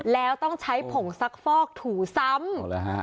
แล้วต้องใช้ผงซักฟอกถูซ้ำ